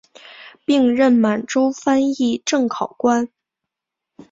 并任满洲翻译正考官。